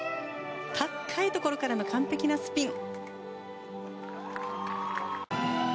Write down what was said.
高いところからの完璧なスピン。